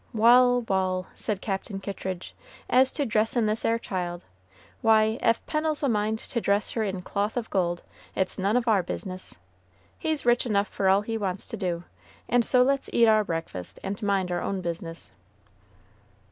"Wal', wal'," said Captain Kittridge, "as to dressin' this 'ere child, why, ef Pennel's a mind to dress her in cloth of gold, it's none of our business! He's rich enough for all he wants to do, and so let's eat our breakfast and mind our own business."